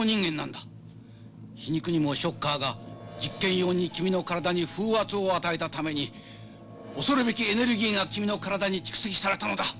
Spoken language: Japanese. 皮肉にもショッカーが実験用に君の体に風圧を与えたために恐るべきエネルギーが君の体に蓄積されたのだ。